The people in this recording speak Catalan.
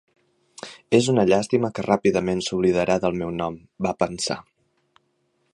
És una llàstima que ràpidament s'oblidarà del meu nom, va pensar.